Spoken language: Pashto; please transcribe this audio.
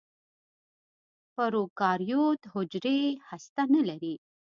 پروکاریوت حجرې هسته نه لري.